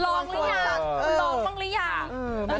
ลองหรือยัง